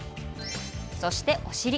そして、お尻。